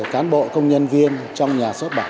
cán bộ công nhân viên trong nhà xuất bản